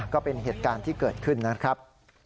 ก็เป็นเหตุการณ์ที่เกิดขึ้นนะครับ